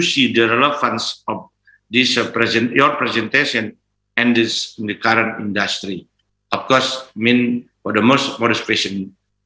bagaimana anda melihat relevan presentasi anda dan industri saat ini